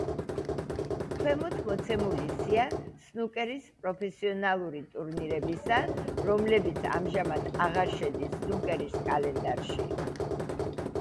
ქვემოთ მოცემულია სია სნუკერის პროფესიონალური ტურნირებისა, რომლებიც ამჟამად აღარ შედის სნუკერის კალენდარში.